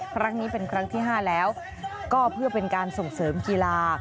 ครั้งนี้เป็นครั้งที่๕แล้วก็เพื่อเป็นการส่งเสริมกีฬา